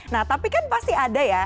nah tapi kan pasti ada ya